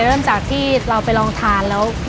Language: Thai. เริ่มจากที่เราไปลองทานแล้ว